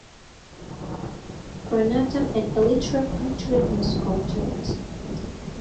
Pronotum and elytra punctured and sculptured.